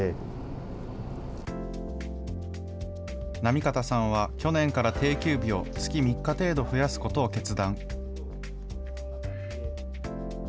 行方さんは去年から定休日を月３日程度増やすことを決断。